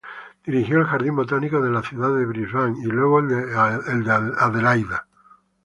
Dirigió el Jardín Botánico de la Ciudad de Brisbane, y luego del de Adelaida.